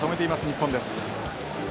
日本です。